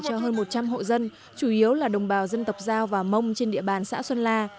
cho hơn một trăm linh hộ dân chủ yếu là đồng bào dân tộc giao và mông trên địa bàn xã xuân la